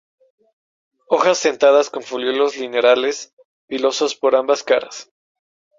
Hojas sentadas con folíolos lineares, pilosos por ambas caras.